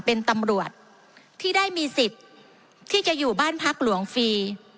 เป็นตำรวจที่ได้มีสิทธิ์ที่จะอยู่บ้านพักหลวงฟรี